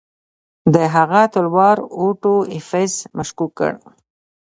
د هغه تلوار اوټو ایفز مشکوک کړ.